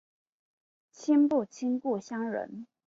亲不亲故乡人